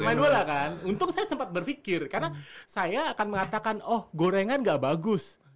main bola kan untung saya sempat berpikir karena saya akan mengatakan oh gorengan gak bagus